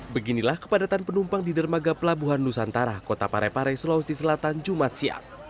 beginilah kepadatan penumpang di dermaga pelabuhan nusantara kota parepare sulawesi selatan jumat siang